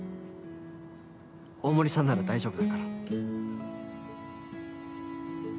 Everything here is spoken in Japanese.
大森さんなら大丈夫だから